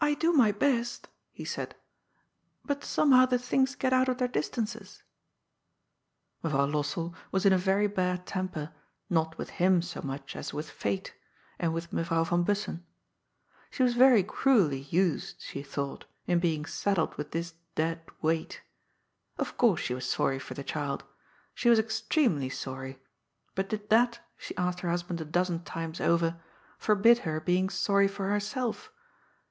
" I do my best," he said, " but somehow the things get out of their distances." Mevrouw Lossell was in a very bad temper, not with him so much as with fate, and with Mevrouw van Bussen. She was very cruelly used, she thought, in being saddled with this dead weight. Of course she was sorry for the child. She was extremely sorry. But did that, she asked her hus band a dozen times over, forbid her being sorry for herself